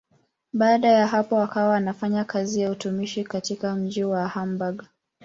Baada ya hapo akawa anafanya kazi ya utumishi katika mji wa Hamburg.